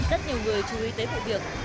rất nhiều người chú ý tới bộ việc